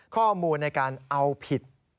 ข้อมูลในการเอาผิด